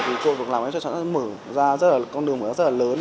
thì cộng vực làm em chắc chắn mở ra con đường mở ra rất là lớn